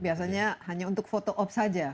biasanya hanya untuk foto op saja